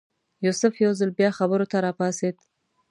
یوسف یو ځل بیا خبرو ته راپاڅېد.